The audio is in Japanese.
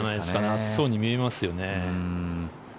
暑そうに見えますよね。